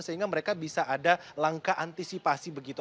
sehingga mereka bisa ada langkah antisipasi begitu